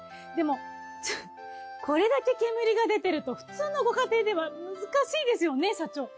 でもちょっとこれだけ煙が出てると普通のご家庭では難しいですよね社長。